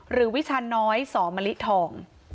หรือวิชาน้อยสอมลิทอง